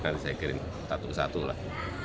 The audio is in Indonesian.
nanti saya kirim satu satulah